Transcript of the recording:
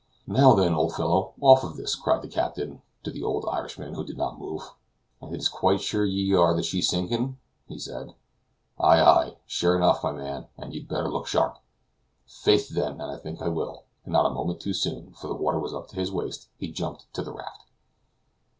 "Now then, old fellow, off of this!" cried the captain to the old Irishman, who did not move. "And is it quite sure ye are that she's sinkin'?" he said. "Ay, ay! sure enough, my man; and you'd better look sharp." "Faith, then, and I think I will;" and not a moment too soon (for the water was up to his waist) he jumped on to the raft.